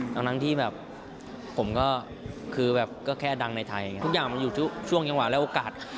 ทั้งที่แบบผมก็คือแบบก็แค่ดังในไทยทุกอย่างมันอยู่ช่วงจังหวะและโอกาส